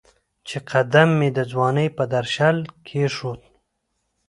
چې قدم مې د ځوانۍ په درشل کېښود